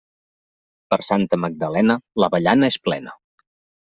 Per Santa Magdalena, l'avellana és plena.